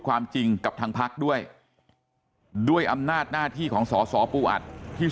ความจริงกับทางพักด้วยด้วยอำนาจหน้าที่ของสสปูอัดที่